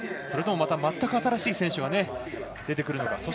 それともまた全く新しい選手が出てくるのか。